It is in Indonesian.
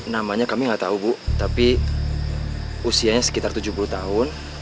namanya kami nggak tahu bu tapi usianya sekitar tujuh puluh tahun